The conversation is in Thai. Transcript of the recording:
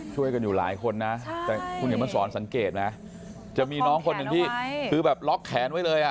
ช่วยกันอยู่หลายคนนะแต่คุณเขียนมาสอนสังเกตไหมจะมีน้องคนหนึ่งที่คือแบบล็อกแขนไว้เลยอ่ะ